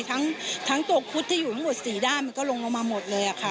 ทั้งตัวคุดที่อยู่ทั้งหมด๔ด้านมันก็ลงลงมาหมดเลยค่ะ